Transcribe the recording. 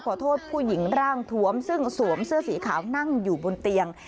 ขอโทษผู้หญิงร่างถวมซึ่งสวมเสื้อสีขาวนั่งอยู่บนเตียง